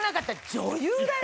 女優だよ？